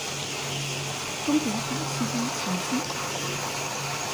中國反西方情緒